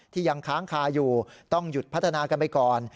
ยังค้างคาอยู่ต้องหยุดพัฒนากันไปก่อน